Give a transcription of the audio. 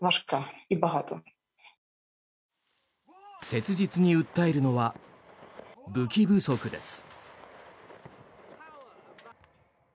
切実に訴えるのは武器不足です。